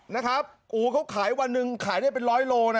นะครับโอ้เขาขายวันหนึ่งขายได้เป็นร้อยโลนะ